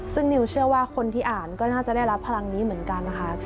ซึ่งนิวเชื่อว่าคนที่อ่านก็น่าจะได้รับพลังนี้เหมือนกันนะคะ